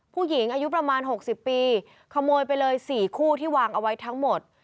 ผู้หญิงอายุประมาณ๖๐ปีขโมยไปเลย๔คู่ที่วางเอาไว้ทั้งหมด